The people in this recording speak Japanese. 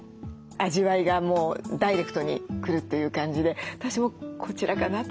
味わいがもうダイレクトに来るという感じで私もこちらかなと。